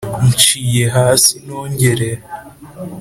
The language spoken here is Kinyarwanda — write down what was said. ncinye hasi nongere